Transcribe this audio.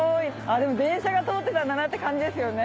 でも電車が通ってたんだなって感じですよね。